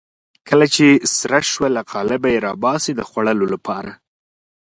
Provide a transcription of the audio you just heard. کله چې سره شوه له قالبه یې راباسي د خوړلو لپاره.